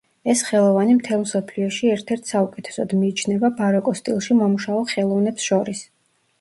ეს ხელოვანი მთელ მსოფლიოში ერთ-ერთ საუკეთესოდ მიიჩნევა ბაროკოს სტილში მომუშავე ხელოვნებს შორის.